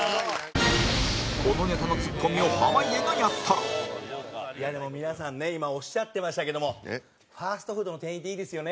このネタのツッコミを濱家がやったらでも、皆さんね今、おっしゃってましたけどもファストフードの店員っていいですよね。